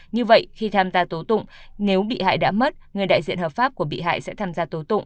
như vậy khi tham gia tố tụng nếu bị hại đã mất người đại diện hợp pháp của bị hại sẽ tham gia tố tụng